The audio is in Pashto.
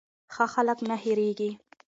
ښه خلک نه هېریږي.